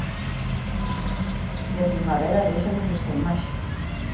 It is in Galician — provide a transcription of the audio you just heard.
E a primavera déixanos esta imaxe.